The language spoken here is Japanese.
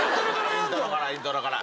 イントロからイントロから。